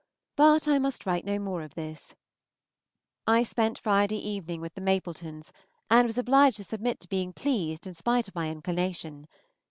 But I must write no more of this. ... I spent Friday evening with the Mapletons, and was obliged to submit to being pleased in spite of my inclination.